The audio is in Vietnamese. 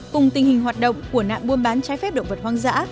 cùng tình hình hoạt động của nạn buôn bán trái phép động vật hoang dã